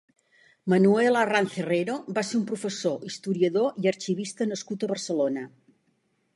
Manuel Arranz Herrero va ser un professor, historiador i arxivista nascut a Barcelona.